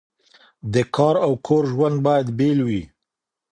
د کار او کور ژوند باید بیل وي.